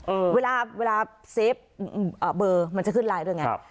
เออเวลาเวลาเบอร์มันจะขึ้นไลน์ด้วยไงครับ